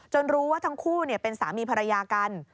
รู้ว่าทั้งคู่เป็นสามีภรรยากัน